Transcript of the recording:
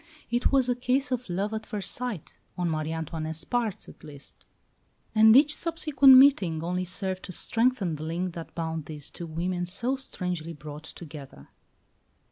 It was a case of love at first sight, on Marie Antoinette's part at least; and each subsequent meeting only served to strengthen the link that bound these two women so strangely brought together.